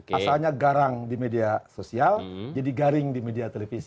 asalnya garang di media sosial jadi garing di media televisi